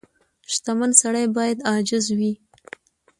• شتمن سړی باید عاجز وي.